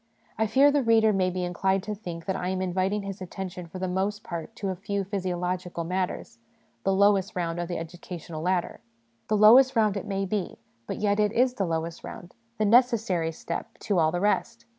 I fear the reader may be inclined to think that I am inviting his attention for the most part to a few physiological matters the lowest round of the educa tional ladder. The lowest round it may be, but yet it is the lowest round, the necessary step to all the rest.